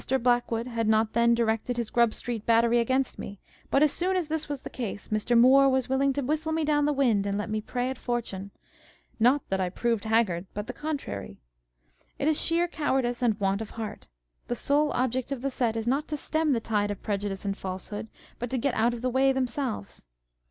Blackwood had not then directed his Grub street battery against me : but as soon as this was the case, Mr. Moore was willing to " whistle me down the wind, and let me prey at fortune ;" not that I " proved haggard," but the contrary. It is sheer cowardice and want of heart. The sole object of the set is not to stem the tide of prejudice and falsehood, but to get out of the wray themselves.